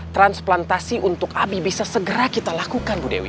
transplantasi untuk abi bisa segera kita lakukan bu dewi